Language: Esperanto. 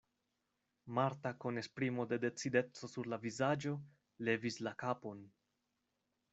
Marta kun esprimo de decideco sur la vizaĝo levis la kapon.